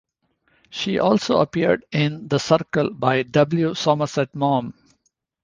She also appeared in "The Circle" by W. Somerset Maugham.